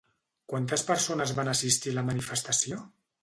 Quantes persones van assistir a la manifestació?